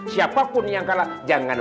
siapapun yang kalah jangan